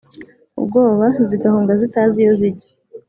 ubwoba, zigahunga zitazi iyo zijya